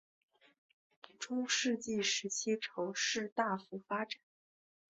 中世纪时期城市大幅发展。